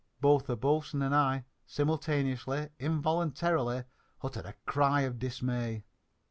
Both the boatswain and I, simultaneously, involuntarily, uttered a cry of dismay.